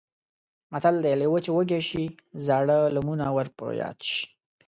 متل دی: لېوه چې وږی شي زاړه لمونه یې ور په یاد شي.